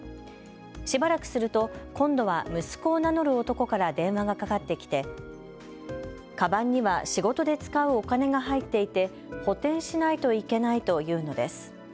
しばらくすると今度は息子を名乗る男から電話がかかってきてかばんには仕事で使うお金が入っていて補填しないといけないと言うのです。